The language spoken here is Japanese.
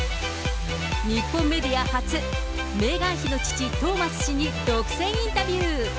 日本メディア初、メーガン妃の父、トーマス氏に独占インタビュー。